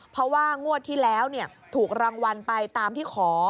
เพราะว่างวดที่แล้วถูกรางวัลไปตามที่ขอ